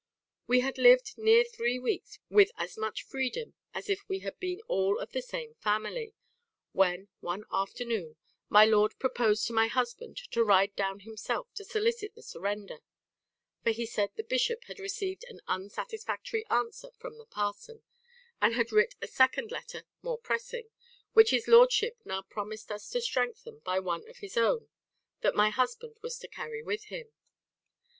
"We had lived near three weeks with as much freedom as if we had been all of the same family, when, one afternoon, my lord proposed to my husband to ride down himself to solicit the surrender; for he said the bishop had received an unsatisfactory answer from the parson, and had writ a second letter more pressing, which his lordship now promised us to strengthen by one of his own that my husband was to carry with him.